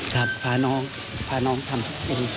กราบพาน้องพาน้องทำทุกอย่าง